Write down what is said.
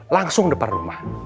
langsung depan rumah